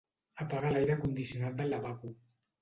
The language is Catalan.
Apaga l'aire condicionat del lavabo.